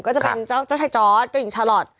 ก็จะเป็นเจ้าชายจอร์ดเจ้าหญิงชาลอท